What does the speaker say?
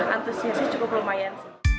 antusiasnya cukup lumayan